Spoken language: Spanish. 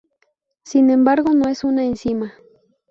Sin embargo no es una enzima.